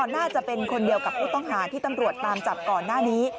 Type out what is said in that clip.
น่าจะเป็นคนเดียวกับผู้ต้องหาที่ตำรวจตามจับก่อนหน้านี้